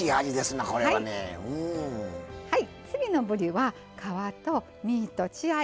はい。